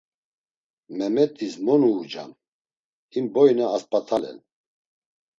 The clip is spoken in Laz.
Memet̆is mo nuucam, him boine asp̌at̆alen.